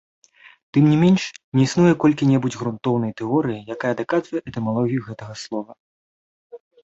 Тым не менш, не існуе колькі-небудзь грунтоўнай тэорыі, якая даказвае этымалогію гэтага слова.